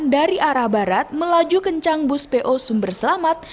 dan dari arah barat melaju kencang bus po sumber selamat